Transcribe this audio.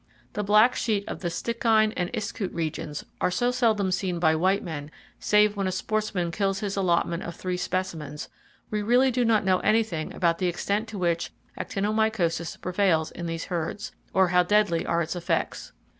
The black sheep of the Stickine and Iskoot regions are so seldom seen by white men, save when a sportsman kills his allotment of three specimens, we really do not know anything about the extent to which actinomycosis prevails in those herds, or how deadly are its effects.